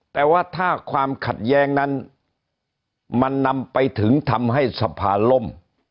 แต่ว่าถ้าความขัดแย้งนั้นมันนำไปถึงทำให้สภาล่ม